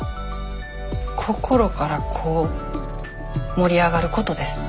心からこう盛り上がることです。